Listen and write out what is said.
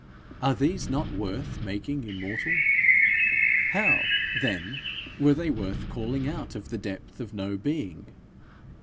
Are these not worth making immortal? How, then, were they worth calling out of the depth of no being?